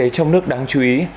kinh tế trong nước đáng chú ý